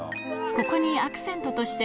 ここにアクセントとして